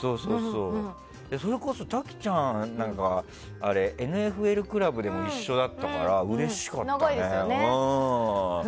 それこそ、滝ちゃんなんかは「ＮＦＬ倶楽部」でも一緒だったからうれしかったね。